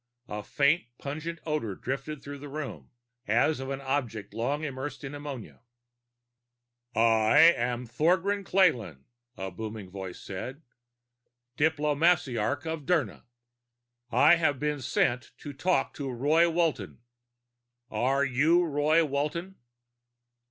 A faint pungent odor drifted through the room, as of an object long immersed in ammonia. "I am Thogran Klayrn," a booming voice said. "Diplomasiarch of Dirna. I have been sent to talk with Roy Walton. Are you Roy Walton?"